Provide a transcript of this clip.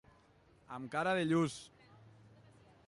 Amb cara de lluç.